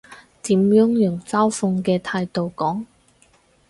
點樣用嘲諷嘅態度講？